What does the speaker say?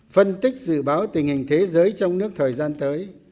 phân tích dự báo tình hình thế giới trong nước thời gian tới